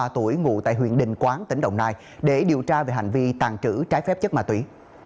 ba mươi tuổi ngụ tại huyện đình quán tỉnh đồng nai để điều tra về hành vi tàn trữ trái phép chất ma túy